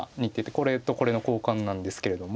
これとこれの交換なんですけれども。